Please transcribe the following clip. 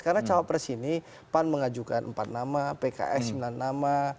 karena cawapres ini pan mengajukan empat nama pks sembilan nama